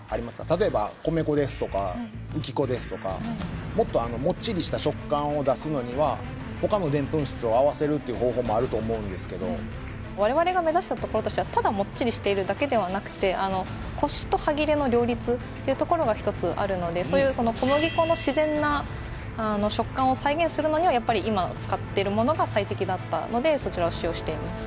例えば米粉ですとか浮き粉ですとかもっともっちりした食感を出すのには他のでんぷん質を合わせるっていう方法もあると思うんですけど我々が目指したところとしてはただというところがひとつあるので小麦粉の自然な食感を再現するのには今使っているものが最適だったのでそちらを使用しています